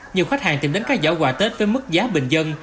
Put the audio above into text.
nhiều khách hàng tìm đến các giỏ quà tết với mức giá bình dân